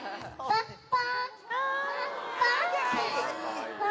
パッパ！